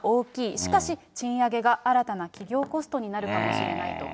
しかし、賃上げが新たな企業コストになるかもしれないと。